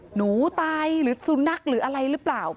หนูตายหรือสุนัขหรืออะไรหรือเปล่า